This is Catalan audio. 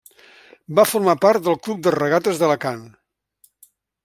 Va formar part del Club de Regates d'Alacant.